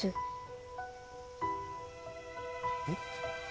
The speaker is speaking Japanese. えっ？